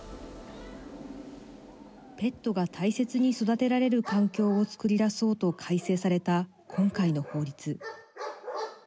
ペットが大切に育てられる環境をつくり出そうと改正された今回の法律。